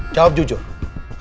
tidak ada hubungannya